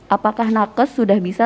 apakah nakes sudah bisa